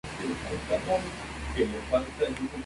El deshielo en el lugar comienza a fines de octubre.